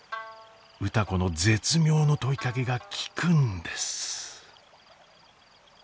歌子の絶妙の問いかけが効くんです。